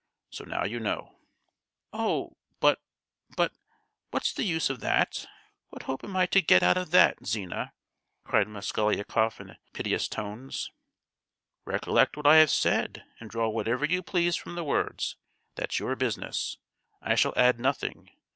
So now you know." "Oh, but—but—what's the use of that? What hope am I to get out of that, Zina?" cried Mosgliakoff in piteous tones. "Recollect what I have said, and draw whatever you please from the words; that's your business. I shall add nothing.